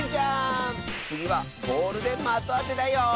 つぎはボールでまとあてだよ！